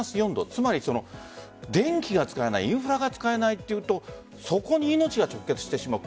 つまり電気が使えないインフラが使えないというとそこに命が直結してしまう。